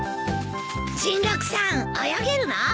甚六さん泳げるの？